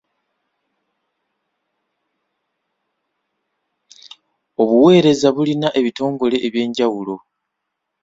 Obuwereza bulina ebitongole eby'enjawulo.